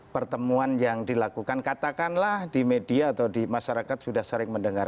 pertemuan yang dilakukan katakanlah di media atau di masyarakat sudah sering mendengar